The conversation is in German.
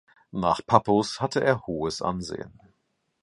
Nach Pappos hatte er hohes Ansehen.